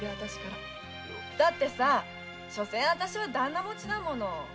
だってさぁしょせんあたしは旦那持ちだもの！